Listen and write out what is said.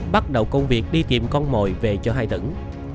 bắt đầu công việc đi tìm con mồi về cho hai tỉnh